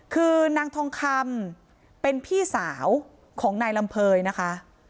คือนางทองคำเป็นพี่สาวของนายลำเภยนะคะ